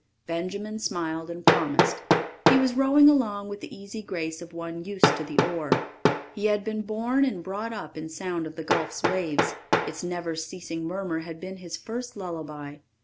Benjamin smiled and promised. He was rowing along with the easy grace of one used to the oar. He had been born and brought up in sound of the gulf's waves; its never ceasing murmur had been his first lullaby.